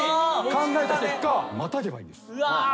考えた結果またげばいいんです。